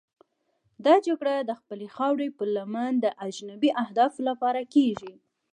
دا جګړه د خپلې خاورې پر لمن د اجنبي اهدافو لپاره کېږي.